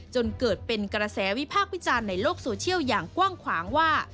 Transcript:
จนเกิดเป็นกระแสวิพากษ์วิจารณ์ในโลกโซเชียลอย่างกว้างขวางว่า